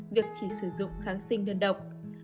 việc chỉ sử dụng kháng sinh đơn độc